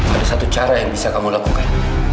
ada satu cara yang bisa kamu lakukan